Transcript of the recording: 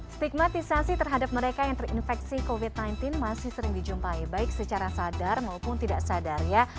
stigmatisasi terhadap mereka yang terinfeksi covid sembilan belas masih sering dijumpai baik secara sadar maupun tidak sadar ya